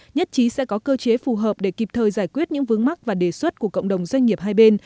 nhất trí sẽ có cơ chế phù hợp để kịp thời giải quyết những vướng mắc và đề xuất của cộng đồng doanh nghiệp hai bên